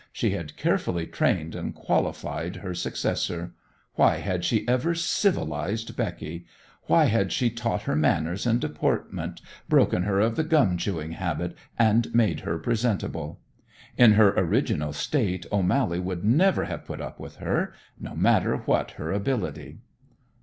She had carefully trained and qualified her successor. Why had she ever civilized Becky? Why had she taught her manners and deportment, broken her of the gum chewing habit, and made her presentable? In her original state O'Mally would never have put up with her, no matter what her ability.